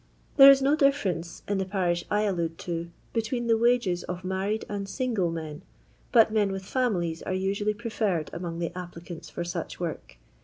There is no difiference, in the parish I allude to, between the wages of married and single men, but men with families are usually preferred among the applicants for such work.